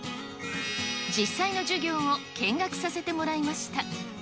実際の授業を見学させてもらいました。